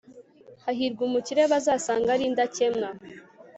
hahirwa umukire bazasanga ari indakemwa